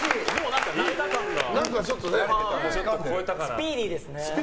スピーディーですね。